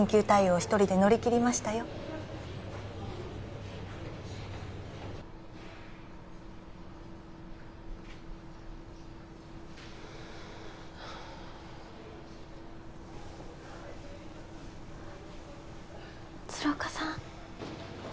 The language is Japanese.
一人で乗り切りましたよはあっ鶴岡さん？